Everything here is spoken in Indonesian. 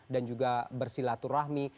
dan juga bersilaturahmi